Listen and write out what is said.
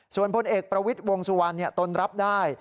ส่วนพลเอกประวิทย์วงสุวรรณตนรับได้